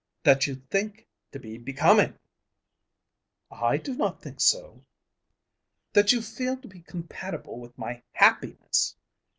"That you think to be becoming." "I do not think so." "That you feel to be compatible with my happiness!"